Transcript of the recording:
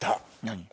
何？